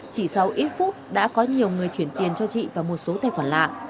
chỉ sau ít phút đã có nhiều người chuyển tiền cho chị và một số tài khoản lạ